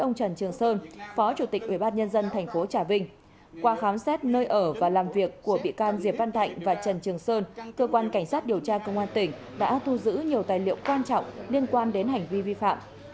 ông trần trường sơn phó chủ tịch ủy ban nhân dân thành phố trà vinh qua khám xét nơi ở và làm việc của bị can diệp văn thạnh và trần trường sơn cơ quan cảnh sát điều tra công an tỉnh đã thu giữ nhiều tài liệu quan trọng liên quan đến hành vi vi phạm